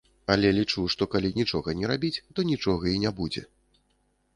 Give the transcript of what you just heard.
Але лічу, што калі нічога не рабіць, то нічога і не будзе.